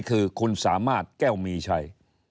คือคุณสามารถแก้วมีชัย